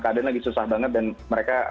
keadaan lagi susah banget dan mereka